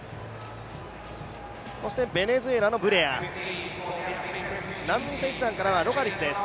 ベネズエラのブレア、難民選手団からはロハリスです。